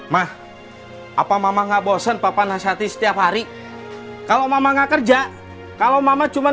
mah apa mama nggak bosen papa nasihati setiap hari kalau mama nggak kerja kalau mama cuman